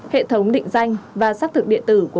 hệ thống định danh và xác thực điện tử